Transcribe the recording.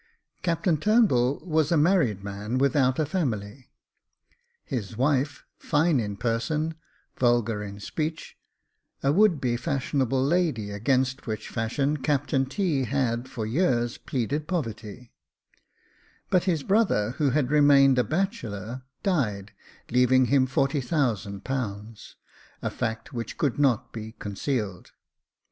Captain Turnbull was a married man without a family ; his wife, fine in person, vulgar in speech, a would be fashionable lady, against which fashion Captain T. had, for years, pleaded poverty ; but his brother, who had remained a bachelor, died, leaving him forty thousand pounds, — a fact which could not be concealed.